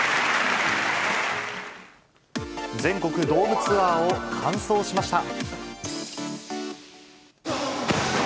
全国ドームツアーを完走しました。